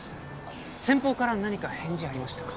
先方から何か返事ありましたか？